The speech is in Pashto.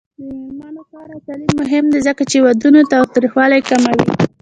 د میرمنو کار او تعلیم مهم دی ځکه چې ودونو تاوتریخوالي کموي.